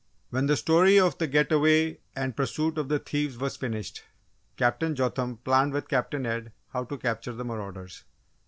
When the story of the get away and pursuit of the thieves was finished, Captain Jotham planned with Captain Ed how to capture the marauders.